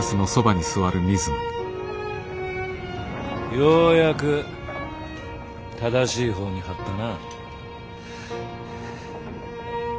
ようやく正しい方に張ったな。